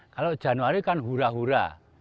kalau januari kan hura hura